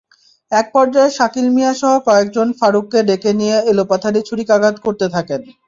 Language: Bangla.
একপর্যায়ে শাকিল মিয়াসহ কয়েকজন ফারুককে ডেকে নিয়ে এলোপাতাড়ি ছুরিকাঘাত করতে থাকেন।